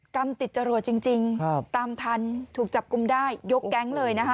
กรรมติดจรวดจริงตามทันถูกจับกลุ่มได้ยกแก๊งเลยนะคะ